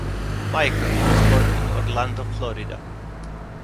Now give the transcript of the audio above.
Micheel was born in Orlando, Florida.